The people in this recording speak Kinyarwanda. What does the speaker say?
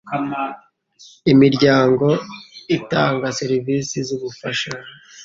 imiryango itanga serivisi z ubufasha